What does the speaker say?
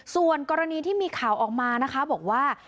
ส่วนกรณีที่มีข่าวออกมานะคะบอกว่า